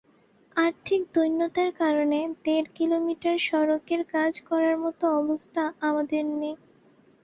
আর্থিক দৈন্যতার কারণে দেড় কিলোমিটার সড়কের কাজ করার মতো অবস্থা আমাদের নেই।